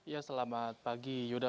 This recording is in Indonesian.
ya selamat pagi yuda